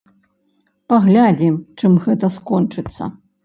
Паглядзім, чым гэта скончыцца.